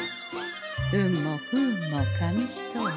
運も不運も紙一重。